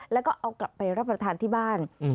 แล้วก็เอากลับไปรับประทานที่บ้าน